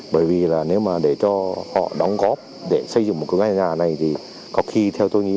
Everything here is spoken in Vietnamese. bởi vì là nếu mà để cho họ đóng góp để xây dựng một cái mái nhà này thì có khi theo tôi nghĩ